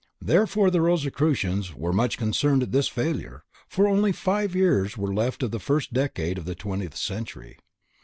Therefore the Rosicrucians were much concerned at this failure, for only five years were left of the first decade of the twentieth century.